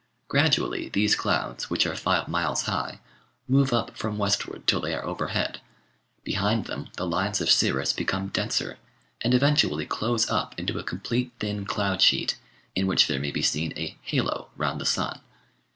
Gradually these clouds, which are five miles high, move up from westward till they are overhead. Behind them the lines of cirrus become denser and eventually close up into a complete thin cloud sheet, in which there may be seen a "halo" round the sun.